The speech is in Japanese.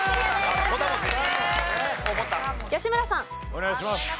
お願いします。